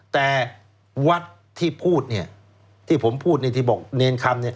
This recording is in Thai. แต่วัดที่ผมพูดเนี่ยที่บอกเนรคำ